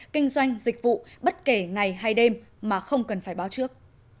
kinh doanh dịch vụ bất kể ngày hay đêm mà không cần phải báo trước